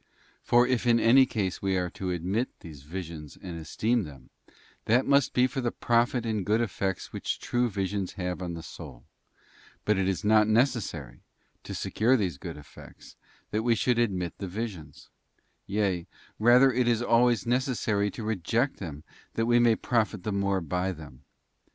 For if in any case we are to admit these visions and esteem them, that must be for the profit and good effects which true visions have on the soul; but it is not necessary, to secure these good effects, that we should admit the visions; yea, rather it is always necessary to reject them that we may profit the more by them.